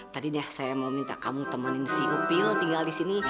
tadinya saya mau minta kamu temenin si upil tinggal di sini